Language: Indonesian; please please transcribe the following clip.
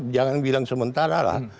jangan bilang sementara lah